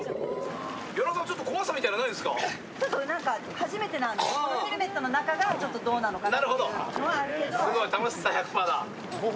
初めてなんで、このヘルメットの中がちょっとどうなのかなというのはあるけど。